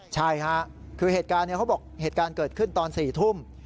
ใช่ค่ะคือเหตุการณ์เขาบอกเหตุการณ์เกิดขึ้นตอน๔ทุ่ม